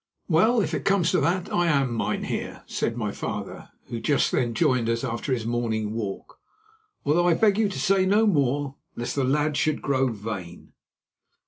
"Well, if it comes to that, I am, mynheer," said my father, who just then joined us after his morning walk, "although I beg you to say no more lest the lad should grow vain."